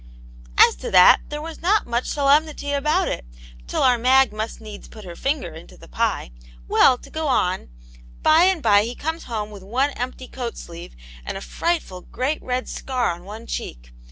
*'" As to that, there was not much solemnity about it, till our Mag must needs put her finger into the pie. Well, to go on, by and by he comes home with one empty coat sleeve, and a frightful great red scar on one cheek.